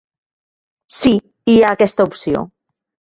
Sí, hi ha aquesta opció.